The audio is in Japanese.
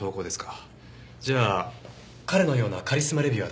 じゃあ彼のようなカリスマ・レビュアーだったら？